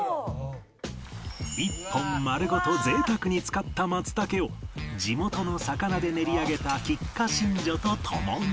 一本丸ごと贅沢に使った松茸を地元の魚で練り上げた菊花真丈と共に